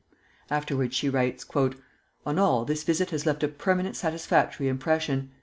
Afterwards she writes, "On all, this visit has left a permanent satisfactory impression.